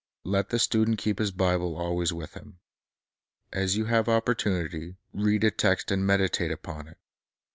Let the student keep his Bible always with him. As you have opportunity, read a text and meditate upon it.